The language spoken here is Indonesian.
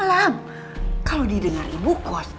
yang enam xv